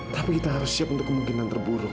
tapi kita harus siap untuk kemungkinan terburuk